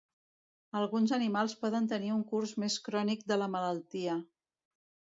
Alguns animals poden tenir un curs més crònic de la malaltia.